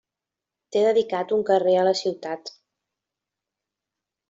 Té dedicat un carrer a la ciutat.